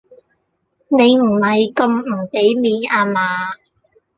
你唔係咁唔俾面呀嘛？